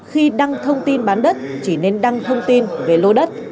khi đăng thông tin bán đất chỉ nên đăng thông tin về lô đất